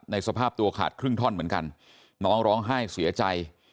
สภาพตัวขาดครึ่งท่อนเหมือนกันน้องร้องไห้เสียใจ